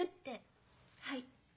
はい。